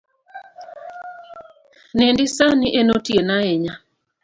Nindi sani en otieno ahinya